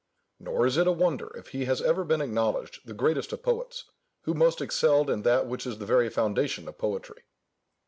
Nor is it a wonder if he has ever been acknowledged the greatest of poets, who most excelled in that which is the very foundation of poetry.